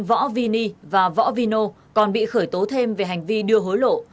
võ vini và võ vino còn bị khởi tố thêm về hành vi đưa hối lộ